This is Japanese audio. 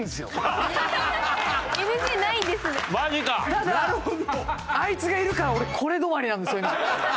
ただあいつがいるから俺これ止まりなんですよ今。